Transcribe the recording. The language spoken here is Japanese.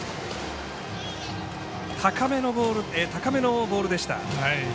高めのボールでした。